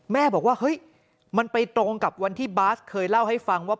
แม่บอกว่าเฮ้ยมันไปตรงกับวันที่บาสเคยเล่าให้ฟังว่า